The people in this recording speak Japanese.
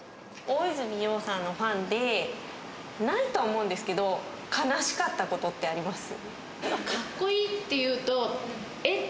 大泉洋さんのファンでないとは思うんですけど悲しかったことってあります？